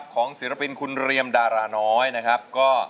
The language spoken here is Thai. ศิลปินคุณเรียมดาราน้อยนะครับ